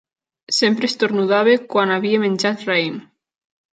Sempre esternudava quan havia menjat raïm.